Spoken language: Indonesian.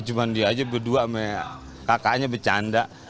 cuma dia aja berdua sama kakaknya bercanda